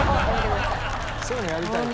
そういうのやりたいよね。